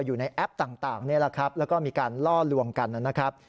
อยู่ในแอปต่างเพื่อมีการล่อลวงกัน